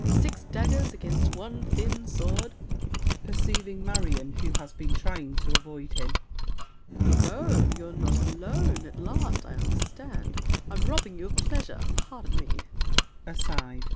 Six daggers against one thin sword— [Perceiving Marion, who has been trying to avoid him. Oh, ho! You're not alone! At last I understand! I'm robbing you of pleasure. Pardon me! [Aside.